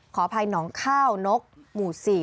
ขออภัยหนองข้าวนกหมู่๔